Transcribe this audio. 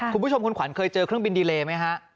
คุณผู้ชมคุณขวัญเคยเจอเครื่องบินดีเลไหมฮะ